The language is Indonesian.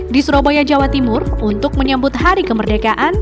di surabaya jawa timur untuk menyambut hari kemerdekaan